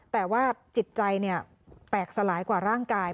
แต่ว่าจิตใจแตกสลายกว่าร่างกาย